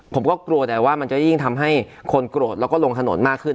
ผมก็กลัวแต่ว่ามันจะยิ่งทำให้คนโกรธแล้วก็ลงถนนมากขึ้น